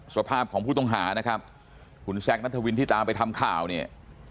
สภาพของผู้ต้องหานะครับคุณแซคนัทวินที่ตามไปทำข่าวเนี่ย